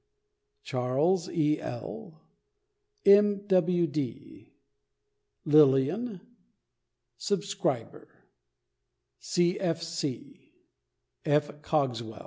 Charles E. L., M. W. D., Lilian, "Subscriber," C. F. C., F.